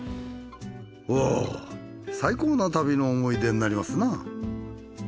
おぉ最高な旅の思い出になりますな。